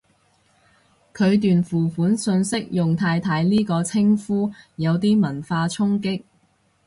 佢段付款訊息用太太呢個稱呼，有啲文化衝擊